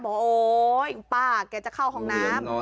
โอ๊ยป้าแกจะเข้าห้องน้ำ